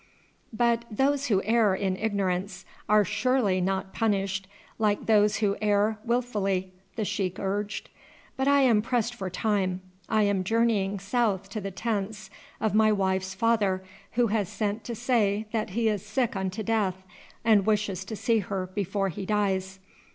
"But those who err in ignorance are surely not punished like those who err wilfully," the sheik urged. "But I am pressed for time. I am journeying south to the tents of my wife's father, who has sent to say that he is sick unto death and wishes to see her before he dies.